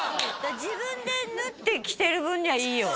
自分で縫って着てる分にはいいよ